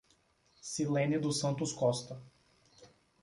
Cilene dos Santos Costa